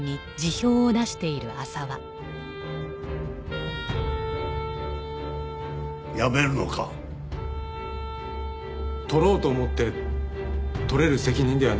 取ろうと思って取れる責任ではないと思ってます。